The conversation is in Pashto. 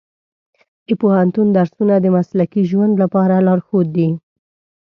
د پوهنتون درسونه د مسلکي ژوند لپاره لارښود دي.